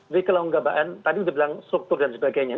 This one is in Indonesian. jadi kelembagaan tadi sudah bilang struktur dan sebagainya